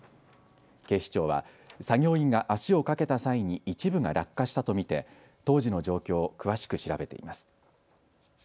警視庁は作業員が足をかけた際に一部が落下したと見て当時の状況を詳しく調べています。